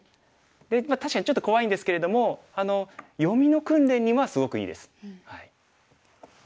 で確かにちょっと怖いんですけれども読みの訓練にはすごくいいです。